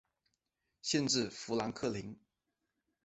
县治富兰克林。